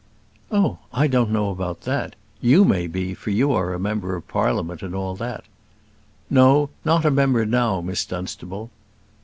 "Oh! I don't know about that; you may be, for you are a member of Parliament, and all that " "No; not a member now, Miss Dunstable."